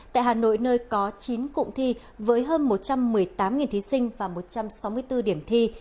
tại hà nội nơi có chín cụm thi với hơn một trăm một mươi tám thí sinh và một trăm sáu mươi bốn điểm thi